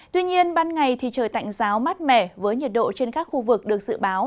tuy nhiên ban ngày thì trời tạnh giáo mát mẻ với nhiệt độ trên các khu vực được dự báo